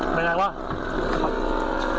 เป็นไงว่ะ